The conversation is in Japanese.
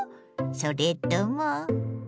それとも。